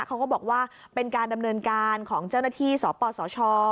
เขาก็บอกว่าเป็นการดำเนินการของเจ้าหน้าที่สปสช